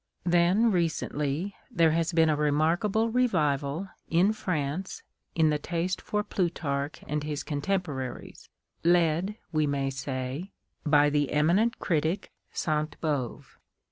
Then, recently, there has been a remarkable revival, in France, in the taste for Plutarch and his contemporaries, led, we may say, by the eminent critic Saint Beuve.